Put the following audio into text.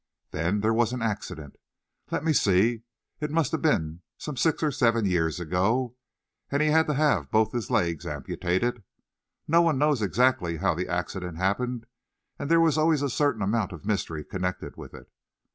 Then there was an accident let me see, it must have been some six or seven years ago and he had to have both his legs amputated. No one knows exactly how the accident happened, and there was always a certain amount of mystery connected with it.